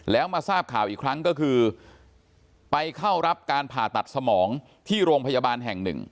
แล้วมาทราบข่าวอีกครั้งก็คือไปเข้ารับการผ่าตัดสมองที่โรงพยาบาลแห่งหนึ่ง